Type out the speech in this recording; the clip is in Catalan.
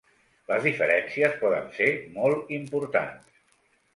Les diferències poden ser molt importants.